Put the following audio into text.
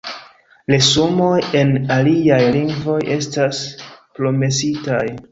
Resumoj en aliaj lingvoj estas promesitaj.